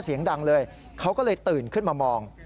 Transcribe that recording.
เสียงดังเลยเขาก็เลยตื่นขึ้นมามอง